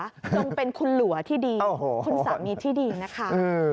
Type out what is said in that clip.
จงเป็นคุณหลัวที่ดีคุณสามีที่ดีนะคะ